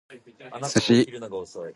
Sushi